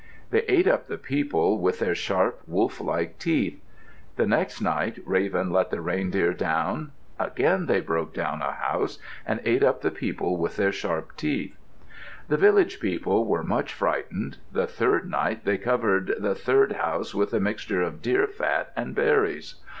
They ate up the people with their sharp, wolf like teeth. The next night, Raven let the reindeer down; again they broke down a house and ate up the people with their sharp teeth. The village people were much frightened. The third night they covered the third house with a mixture of deer fat and berries.